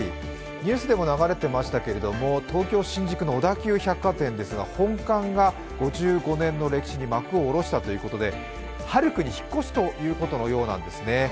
ニュースでも流れていましたけれども、東京・新宿の小田急百貨店ですが本館が５５年の歴史に幕を下ろしたということで、ハルクに引っ越すということのようなんですね。